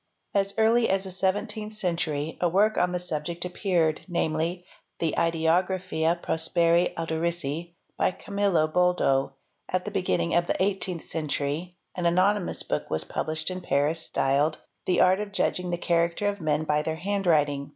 7 As early as the 17th century a work on the subject appeared, namely 7 the e " Tdeographia Prosperi Aldorissi", by Camillo Boldo; at the begin ) "ning of the 18th century an anonymous book was published in Paris a styled "The Art of Judging the Character of Men by their Handwriting.